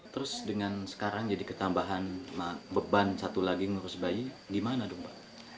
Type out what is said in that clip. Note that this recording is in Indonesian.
terus dengan sekarang jadi ketambahan beban satu lagi ngurus bayi gimana dong pak